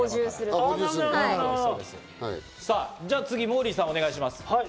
じゃあ次、モーリーさん、お願いします。